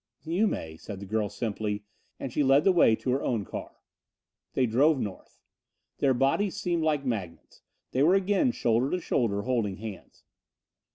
"You may," said the girl simply, and she led the way to her own car. They drove north. Their bodies seemed like magnets. They were again shoulder to shoulder, holding hands.